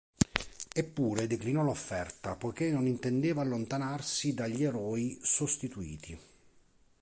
Eppure, declinò l'offerta poiché non intendeva allontanarsi dagli Eroi Sostituti.